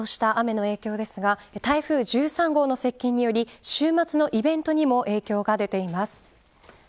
そうした雨の影響ですが台風１３号の接近により週末のイベントにも影響が出ています。